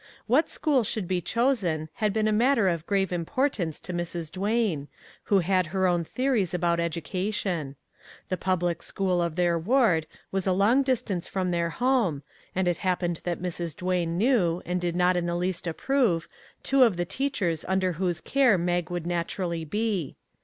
What school should be chosen had been a matter of grave importance to Mrs. Duane, who had her own theories about education. The 39 MAG AND MARGARET public school of their ward was a long distance from their home, and it happened that Mrs. Duane knew, and did not in the least approve, two of the teachers under whose care Mag would naturally be.